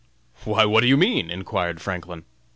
"Why, what do you mean?" inquired Franklin.